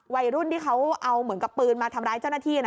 วัยรุ่นที่เขาเอาเหมือนกับปืนมาทำร้ายเจ้าหน้าที่นะ